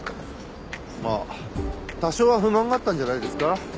まあ多少は不満があったんじゃないですか？